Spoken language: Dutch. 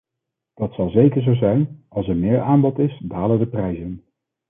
Dat zal zeker zo zijn: als er meer aanbod is, dalen de prijzen.